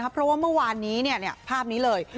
เพราะว่าเมื่อวานนี้ภาพนี้เลย